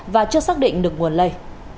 và chưa xác định được nguồn lây